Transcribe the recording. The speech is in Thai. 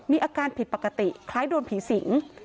มีอาการผิดปกติคล้ายโดนผีสิง